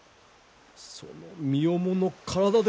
その身重の体で。